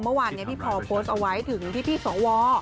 เมื่อวานพี่พอโพสต์เอาไว้ถึงพี่สว